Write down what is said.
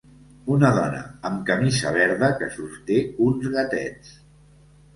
Una dona amb camisa verda que sosté uns gatets.